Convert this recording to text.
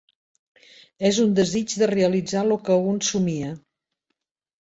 És un desig, de realitzar lo que un somia.